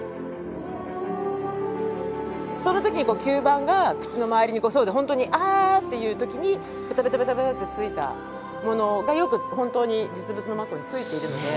その時に吸盤が口の周りに本当に「あ！」っていう時にベタベタベタベタってついたものがよく本当に実物のマッコウについているので。